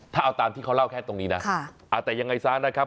ถ้าเอาตามที่เขาเล่าแค่ตรงนี้นะแต่ยังไงซะนะครับ